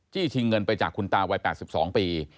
ชิงเงินไปจากคุณตาวัย๘๒ปี